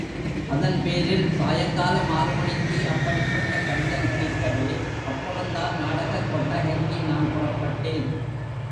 அதன் பேரில் சாயங்காலம் ஆறு மணிக்கு அப்படிப்பட்ட கடிதம் கிடைக்கவே, அப்புறம்தான் நாடகக் கொட்டகைக்கு நான் புறப்பட்டேன்.